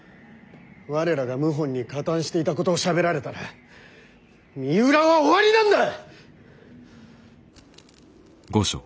我らが謀反に加担していたことをしゃべられたら三浦は終わりなんだ！